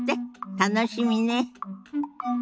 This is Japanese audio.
楽しみね。